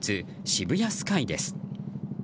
渋谷スカイです。